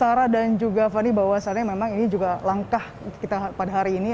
sarah dan juga fani bahwasannya memang ini juga langkah kita pada hari ini